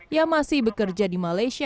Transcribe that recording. yang masih bekerja di malaysia